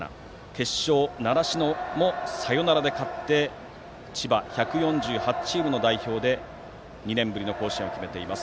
決勝、習志野もサヨナラで勝って千葉１４８チームの代表で２年ぶりの甲子園を決めています。